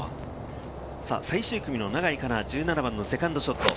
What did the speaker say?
最終組の永井花奈、１７番のセカンドショット。